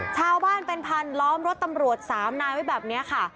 ชาวบ้านเป็นพันล้อมรถตำรวจ๓นายไว้แบบนี้ค่ะ